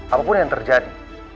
apapun yang terjadi